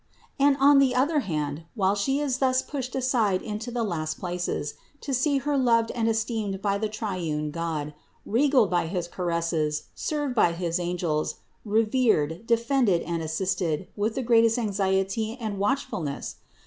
And on the other hand, while She is thus pushed aside into the last places, to see Her loved and esteemed by the triune God, regaled by his caresses, served by his angels, revered, defended and assisted with the greatest anxiety and watchfulness